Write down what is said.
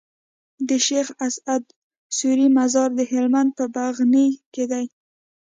د شيخ اسعد سوري مزار د هلمند په بغنی کي دی